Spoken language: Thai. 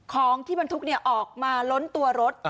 ของที่บรรทุกออกมาล้นตัวรถ